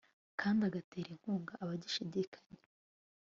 kandi agatera inkunga abagishidikanya